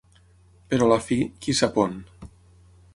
Però la fi, qui sap on?